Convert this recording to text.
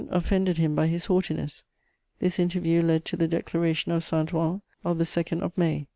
offended him by his haughtiness: this interview led to the Declaration of Saint Ouen of the 2nd of May.